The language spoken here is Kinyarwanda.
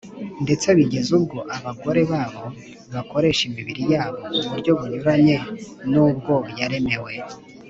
ndetse bigeza ubwo abagore babo bakoresha imibiri yabo uburyo bunyuranye n’ubwo yaremewe